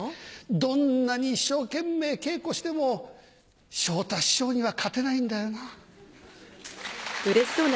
どんなに一生懸命稽古しても昇太師匠には勝てないんだよな。